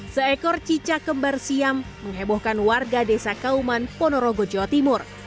seekor cicak kembar siam menghebohkan warga desa kauman ponorogo jawa timur